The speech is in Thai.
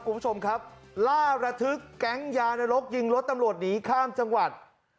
คุณผู้ชมครับล่าระทึกแก๊งยานรกยิงรถตำรวจหนีข้ามจังหวัด